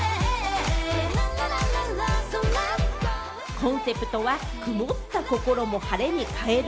コンセプトは曇った心も晴れに変える。